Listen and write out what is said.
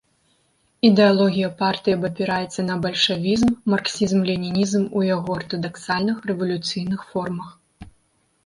Ідэалогія партыі абапіраецца на бальшавізм, марксізм-ленінізм у яго артадаксальных, рэвалюцыйных формах.